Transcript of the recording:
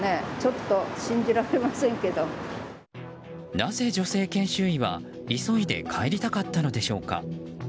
なぜ女性研修医は急いで帰りたかったのでしょうか。